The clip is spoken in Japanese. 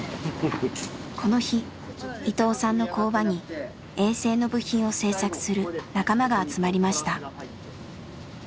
この日伊藤さんの工場に衛星の部品を製作する仲間が集まりました。